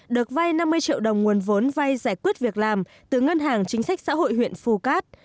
được vay năm mươi triệu đồng nguồn vốn vay giải quyết việc làm từ ngân hàng chính sách xã hội huyện phù cát